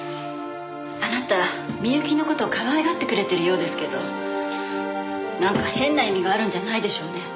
あなた美雪の事かわいがってくれてるようですけどなんか変な意味があるんじゃないでしょうね？